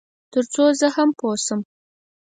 تر څو زه هم پوه شم.